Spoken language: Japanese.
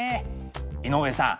井上さん。